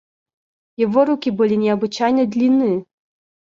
Его руки были необычайно длинны.